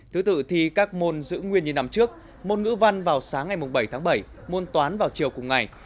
thứ tự thi các môn giữ nguyên như năm trước môn ngữ văn vào sáng ngày bảy tháng bảy môn toán vào chiều cùng ngày